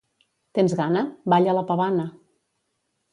—Tens gana? —Balla la pavana!